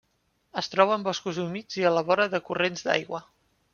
Es troba en boscos humits i a la vora de corrents d'aigua.